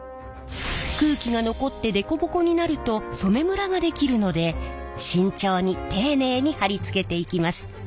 空気が残ってデコボコになると染めむらが出来るので慎重に丁寧に貼り付けていきます。